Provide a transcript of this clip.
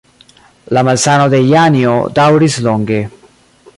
La malsano de Janjo daŭris longe.